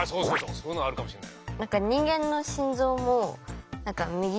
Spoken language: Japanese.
そういうのあるかもしれない。